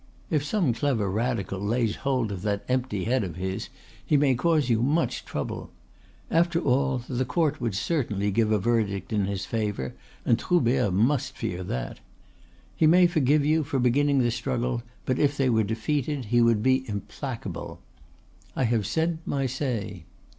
"If some clever Radical lays hold of that empty head of his, he may cause you much trouble. After all, the court would certainly give a verdict in his favour, and Troubert must fear that. He may forgive you for beginning the struggle, but if they were defeated he would be implacable. I have said my say."